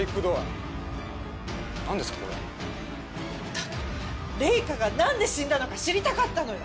だから玲香が何で死んだのか知りたかったのよ。